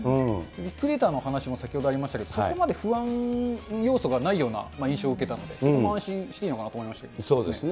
ビッグデータの話も先ほどありましたけど、そこまで不安の要素がないような印象を受けたので、そこも安心しそうですね。